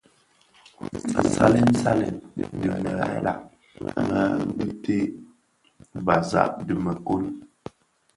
Nsalèn salèn dhi mëghèla më bitè, basag dhi měkoň,